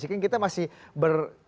sebenarnya kita masih ber